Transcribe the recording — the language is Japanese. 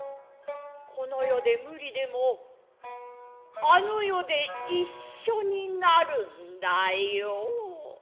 この世で無理でもあの世で一緒になるんだよ。